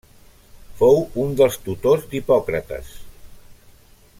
Fou un dels tutors d'Hipòcrates.